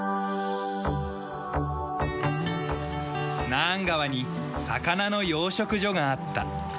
ナーン川に魚の養殖所があった。